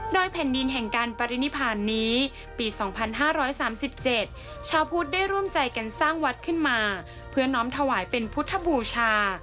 โดยแผ่นดินแห่งการปรินิพานนี้ปี๒๕๓๗ชาวพุทธได้ร่วมใจกันสร้างวัดขึ้นมาเพื่อน้องถวายเป็นพุทธบูชา